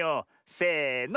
せの！